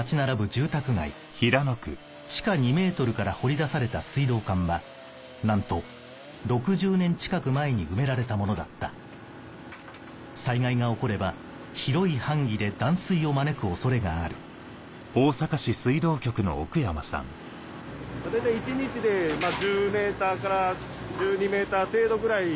住宅街地下２ｍから掘り出された水道管はなんと６０年近く前に埋められたものだった災害が起これば広い範囲で断水を招く恐れがあるという工事になっております。